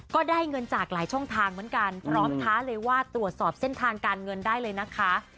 ก็ได้เงินจากหลายช่องทางเหมือนกันพร้อมท้าเลยว่าตรวจสอบเส้นทางการเงินได้เลยนะคะ